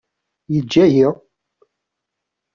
Yeǧǧa-yi.